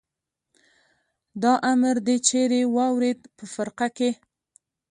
دا امر دې چېرې واورېد؟ په فرقه کې.